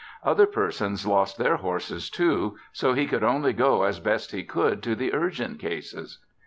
Other persons lost their horses too, so he could only go as best he could to the urgent cases.